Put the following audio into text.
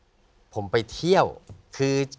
เก็บเงินซื้อพระองค์เนี่ยเก็บเงินซื้อพระองค์เนี่ย